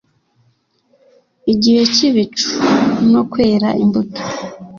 igihe cy'ibicu no kwera imbuto,